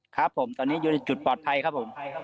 ครับผมตอนนี้อยู่ในจุดปลอดภัยครับผม